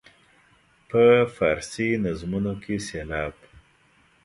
په فارسي نظمونو کې سېلاب.